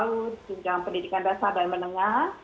kemudian junjang pendidikan dasar dan menengah